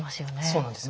そうなんです。